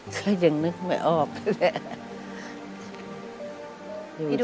ก็ยังนึกไม่ออกเลย